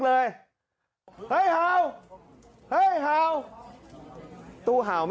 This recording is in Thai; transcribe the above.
ขอโทษครับ